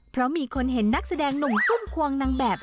เพราะมีคนเห็นนักแสดงหนุ่มซุ่มควงนางแบบ